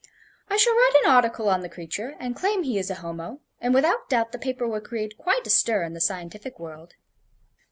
I shall write an article on the creature and claim he is a Homo, and without doubt the paper will create quite a stir in the scientific world."